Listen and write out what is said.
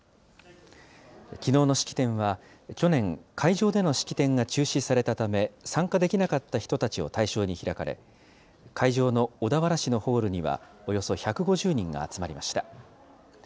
きのうの式典は、去年、会場での式典が中止されたため、参加できなかった人たちを対象に開かれ、会場の小田原市のホールにはおよそ１５０人が集まりました。